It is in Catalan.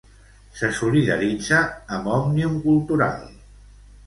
Se solidaritza amb Òmnium Cultural.